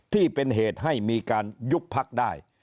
ที่เป็นเหตุให้มีการยุบพักได้